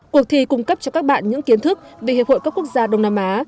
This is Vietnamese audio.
cuộc thi cung cấp cho các bạn những kiến thức về hiệp hội các quốc gia đông nam á